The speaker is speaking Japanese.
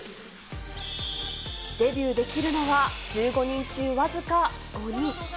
デビューできるのは１５人中僅か５人。